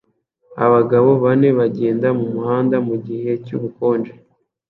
Abagabo bane bagenda mumuhanda mugihe cyubukonje